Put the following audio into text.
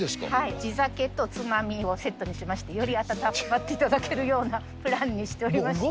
地酒とつまみをセットにしまして、より暖まっていただけるようなプランにしておりまして。